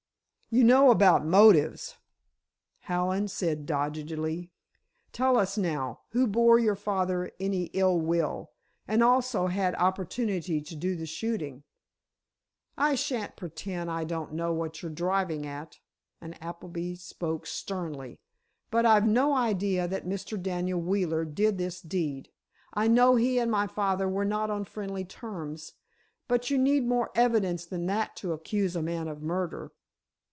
"You know about motives," Hallen said, doggedly. "Tell us now, who bore your father any ill will, and also had opportunity to do the shooting?" "I shan't pretend I don't know what you're driving at," and Appleby spoke sternly, "but I've no idea that Mr. Daniel Wheeler did this deed. I know he and my father were not on friendly terms, but you need more evidence than that to accuse a man of murder."